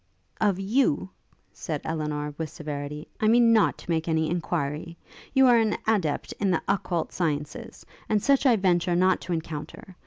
'Of you,' said Elinor, with severity, 'I mean not to make any enquiry! You are an adept in the occult sciences; and such I venture not to encounter.